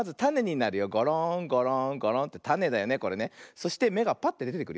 そしてめがぱってでてくるよ。